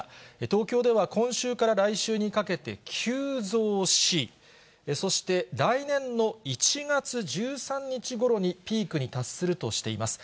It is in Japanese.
東京では今週から来週にかけて急増し、そして来年の１月１３日ごろにピークに達するとしています。